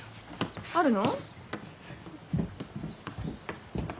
あるの？